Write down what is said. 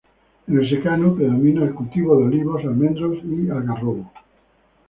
En el secano predomina el cultivo de olivos, almendros y algarrobo.